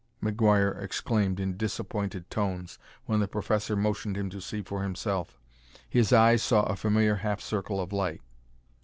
McGuire exclaimed in disappointed tones when the professor motioned him to see for himself. His eyes saw a familiar half circle of light.